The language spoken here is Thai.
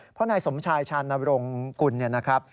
เพราะนายสมชายชานวงกุลนะครับ